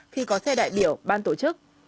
khi có xe đại biểu ban tổ chức